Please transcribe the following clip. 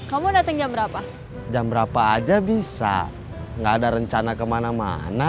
hai kamu datang jam berapa jam berapa aja bisa enggak ada rencana kemana mana